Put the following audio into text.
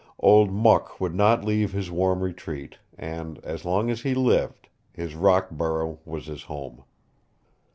Old Mok would not leave his warm retreat, and, as long as he lived, his rock burrow was his home.